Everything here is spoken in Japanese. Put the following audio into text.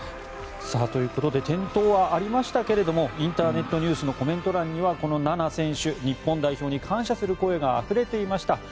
ということで転倒はありましたけれどもインターネットニュースのコメント欄にはこの菜那選手、日本代表に感謝する声があふれていました。